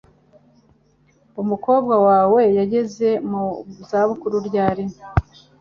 Umukobwa wawe yageze mu zabukuru ryari?